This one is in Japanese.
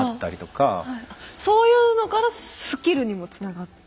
そういうのからスキルにもつながって？